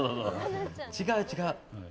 違う、違う。